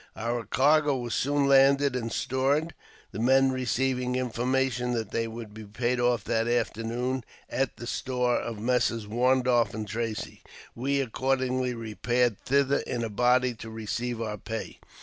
Our cargo was soon landed and stored, the men receiving information that they would be paid off that afternoon at the store of Messrs. Warndorf and Tracy. We accordingly repaired thither in a body to receive our pay.